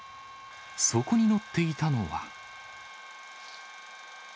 そこにのっていたのは。